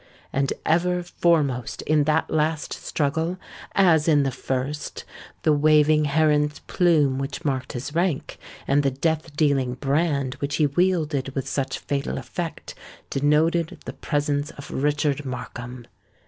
And ever foremost in that last struggle, as in the first, the waving heron's plume which marked his rank, and the death dealing brand which he wielded with such fatal effect, denoted the presence of Richard Markham.